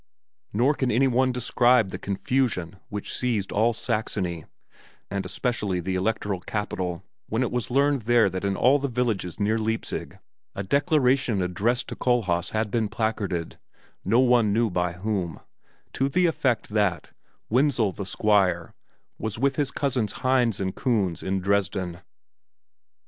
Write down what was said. Nor can any one describe the confusion which seized all Saxony, and especially the electoral capital, when it was learned there that in all the villages near Leipzig a declaration addressed to Kohlhaas had been placarded, no one knew by whom, to the effect that "Wenzel, the Squire, was with his cousins Hinz and Kunz in Dresden."